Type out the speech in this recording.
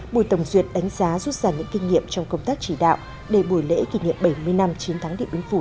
buổi tổng duyệt đánh giá rút ra những kinh nghiệm trong công tác chỉ đạo để buổi lễ kỷ niệm bảy mươi năm chiến thắng điện biên phủ